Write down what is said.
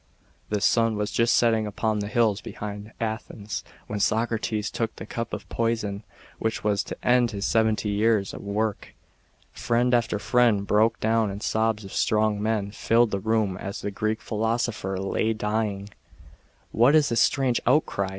The sun was just setting upon the hills behind Athens, when Socrates took the cup of poison, which was to end his seventy years of work. Friend after friend broke down, and sobs of strong men filled the room as the Greek philosopher lay dying. " What is this strange outcry